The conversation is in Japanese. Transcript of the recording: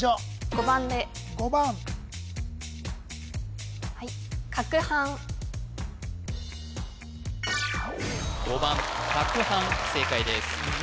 ５番５番かくはん正解です